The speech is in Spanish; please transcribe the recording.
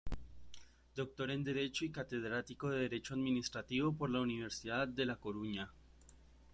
Doctor en Derecho y catedrático de Derecho Administrativo por la Universidad de La Coruña.